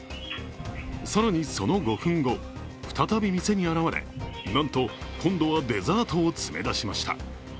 更にその５分後、再び店に現れ、なんと今度はデザートを詰めだしました。